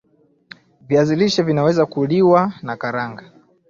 viazi lishe Vinaweza kuliwa nakaranga